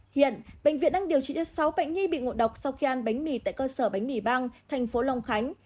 hiện bệnh viện đang điều trị cho sáu bệnh nhi bị ngộ độc sau khi ăn bánh mì tại cơ sở bánh mì băng thành phố long khánh